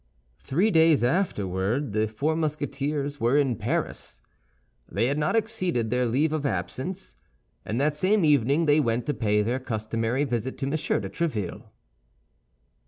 Three days afterward the four Musketeers were in Paris; they had not exceeded their leave of absence, and that same evening they went to pay their customary visit to M. de Tréville.